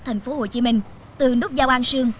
tp hcm từ nút giao an sương